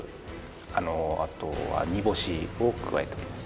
あのあとは煮干しを加えております